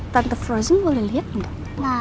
tante fosen boleh liat gak